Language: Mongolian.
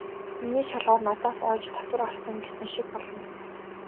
Миний шалгуур надаас оёж татвар авсан" гэсэн шиг болно.